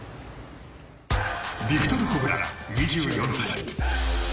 ビクトル・ホブラン、２４歳。